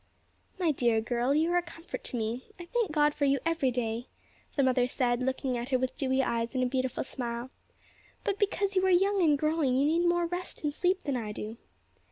"My dear girl! you are a comfort to me! I thank God for you every day," the mother said, looking at her with dewy eyes and a beautiful smile, "but because you are young and growing, you need more rest and sleep than I do.